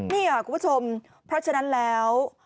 นี่ค่ะคุณผู้ชมเพราะฉะนั้นแล้ว